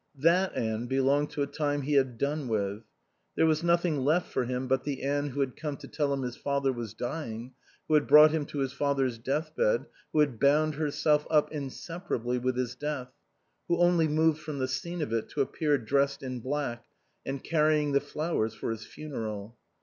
That Anne belonged to a time he had done with. There was nothing left for him but the Anne who had come to tell him his father was dying, who had brought him to his father's death bed, who had bound herself up inseparably with his death, who only moved from the scene of it to appear dressed in black and carrying the flowers for his funeral.